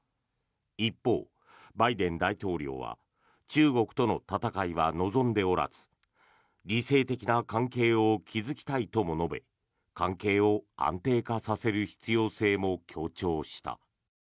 一方、バイデン大統領は中国との戦いは望んでおらず理性的な関係を築きたいとも述べ関係を安定化させる必要性も強調した。